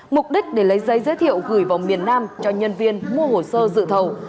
mục đích để lấy giấy giới thiệu gửi vào miền nam cho nhân viên mua hồ sơ dự thầu